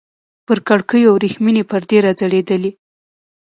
پر کړکيو ورېښمينې پردې راځړېدلې.